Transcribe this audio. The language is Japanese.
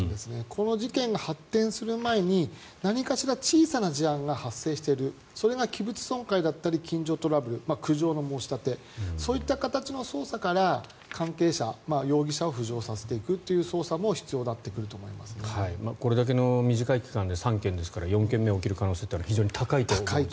この事件に発展する前に何かしら小さな事案が発生している、それが器物損壊だったり近所トラブル苦情の申し立てそういった形の捜査から関係者、容疑者を浮上させていくという捜査もこれだけの短い期間で３件ですから４件目が起きる可能性は非常に高いですね。